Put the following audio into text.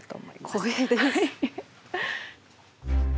光栄です。